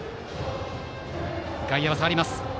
外野は下がります。